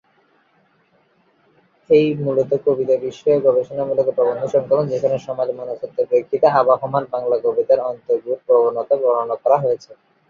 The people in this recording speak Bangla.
এই মূলত কবিতা বিষয়ক গবেষণামূলক প্রবন্ধ সংকলন, যেখানে সামাজ-মনস্তত্ত্বের প্রেক্ষিতে আবহমান বাংলা কবিতার অন্তর্গূঢ় প্রবণতা নির্ণয় করা হয়েছে।